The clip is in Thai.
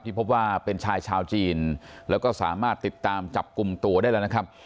พบว่าเป็นชายชาวจีนแล้วก็สามารถติดตามจับกลุ่มตัวได้แล้วนะครับ